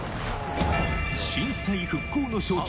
震災復興の象徴